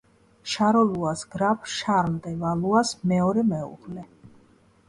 შაროლუას გრაფ შარლ დე ვალუას მეორე მეუღლე.